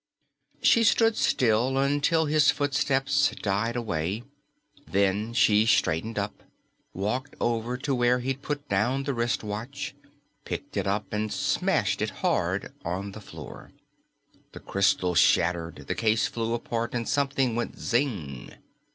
She stood still until his footsteps died away. Then she straightened up, walked over to where he'd put down the wristwatch, picked it up and smashed it hard on the floor. The crystal shattered, the case flew apart, and something went _zing!